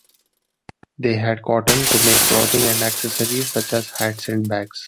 They had cotton to make clothing and accessories such as hats and bags.